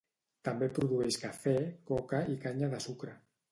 També produeix cafè, coca i canya de sucre.